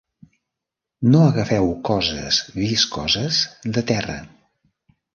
No agafeu coses viscoses de terra.